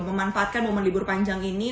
memanfaatkan momen panjang ini